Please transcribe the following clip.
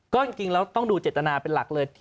ก็จริงแล้วต้องดูเจตนาเป็นหลักเลย